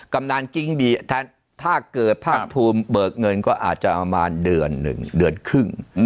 ำนานกิ๊งบีถ้าเกิดภาคภูมิเบิกเงินก็อาจจะประมาณเดือนหนึ่งเดือนครึ่ง